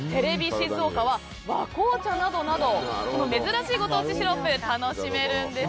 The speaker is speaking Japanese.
静岡は和紅茶などなど珍しいご当地シロップが楽しめるんです。